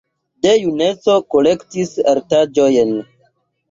De juneco kolektis artaĵojn.